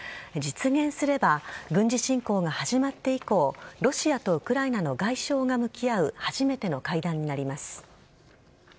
実現すれば、軍事侵攻が始まって以降、ロシアとウクライナの外相が向き合う初めての会談になります。